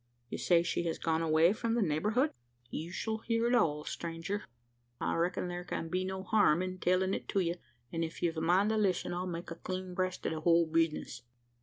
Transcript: You say she has gone away from the neighbourhood?" "You shall hear it all, stranger. I reckon thar can be no harm in tellin' it to you; an' if you've a mind to listen, I'll make a clean breast o' the whole bisness."